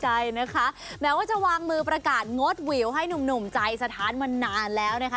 ใจนะคะแม้ว่าจะวางมือประกาศงดวิวให้หนุ่มใจสถานมานานแล้วนะคะ